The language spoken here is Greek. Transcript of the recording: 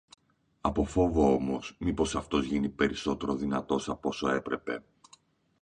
Από φόβο όμως, μήπως αυτός γίνει περισσότερο δυνατός, από όσο έπρεπε,